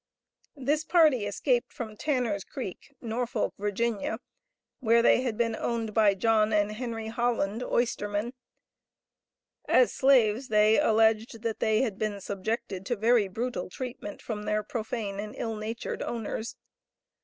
This party escaped from Tanner's Creek, Norfolk, Virginia, where they had been owned by John and Henry Holland, oystermen. As slaves they alleged that they had been subjected to very brutal treatment from their profane and ill natured owners.